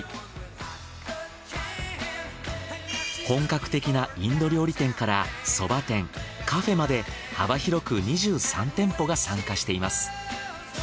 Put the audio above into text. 本格的なインド料理店からそば店カフェまで幅広く２３店舗が参加しています。